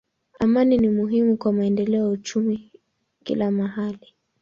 Amani ni muhimu kwa maendeleo ya uchumi kila mahali.